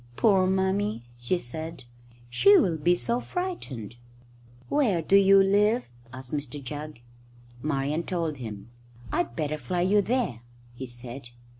"Poor Mummy!" she said; "she will be so frightened." "Where do you live?" asked Mr Jugg. Marian told him. "I'd better fly you there," he said.